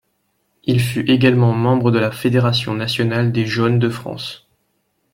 Il fut également membre de la Fédération nationale des Jaunes de France.